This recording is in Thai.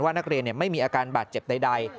นักเรียนไม่มีอาการบาดเจ็บใด